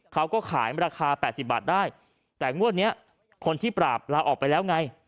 เขาก็ขายราคา๘๐บาทได้แต่งวดนี้คนที่ปราบลาออกไปแล้วไง